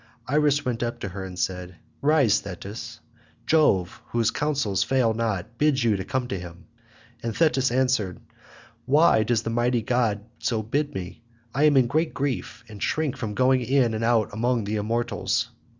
Iris went up to her and said, "Rise Thetis; Jove, whose counsels fail not, bids you come to him." And Thetis answered, "Why does the mighty god so bid me? I am in great grief, and shrink from going in and out among the immortals.